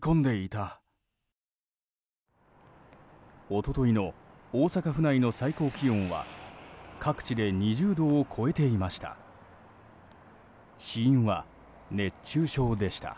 一昨日の大阪府内の最高気温は各地で２０度を超えていました。